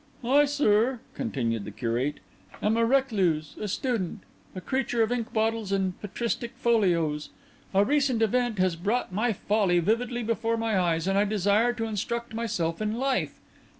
"I, sir," continued the Curate, "am a recluse, a student, a creature of ink bottles and patristic folios. A recent event has brought my folly vividly before my eyes, and I desire to instruct myself in life.